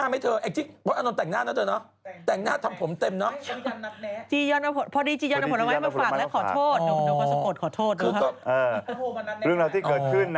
ไม่ให้อภัยซึ่งจริงแล้วเราก็ไม่ได้โกรธนะ